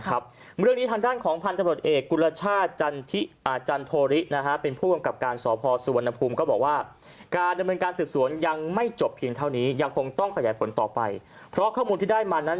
เรื่องนี้ทางด้านของพันธุบริษฐ์เอกกุฤชาจันโธริ